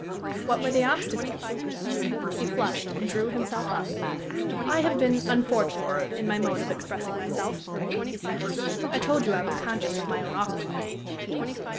"What were the obstacles?" He flushed, and drew himself up. "I have been unfortunate in my mode of expressing myself," he said. "I told you I was conscious of my own awkwardness."